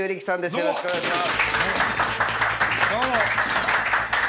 よろしくお願いします。